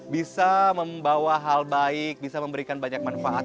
bisa membawa hal baik bisa memberikan banyak manfaat